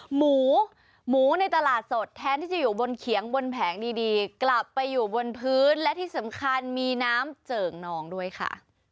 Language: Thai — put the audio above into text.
หมูหมูในตลาดสดแทนที่จะอยู่บนเขียงบนแผงดีกลับไปอยู่บนพื้นและที่สำคัญมีน้ำเจิ่งนองด้วยค่ะ